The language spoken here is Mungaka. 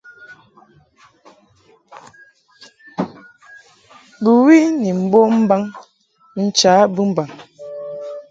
Bɨwi ni mbom mbaŋ ncha bɨmbaŋ.